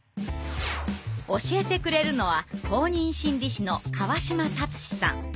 教えてくれるのは公認心理師の川島達史さん。